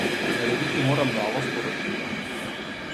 Narediti moram novo sporočilo.